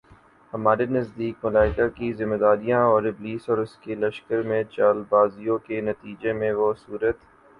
ہمارے نزدیک، ملائکہ کی ذمہ داریوں اور ابلیس اور اس کے لشکر کی چالبازیوں کے نتیجے میں وہ صورتِ